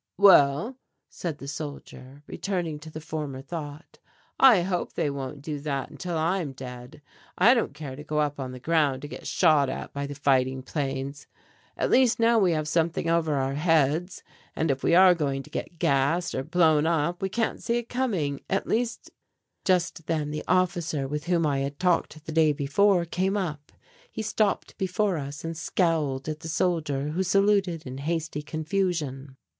"Well," said the soldier, returning to the former thought, "I hope they won't do that until I am dead. I don't care to go up on the ground to get shot at by the fighting planes. At least now we have something over our heads and if we are going to get gassed or blown up we can't see it coming. At least " Just then the officer with whom I had talked the day before came up. He stopped before us and scowled at the soldier who saluted in hasty confusion.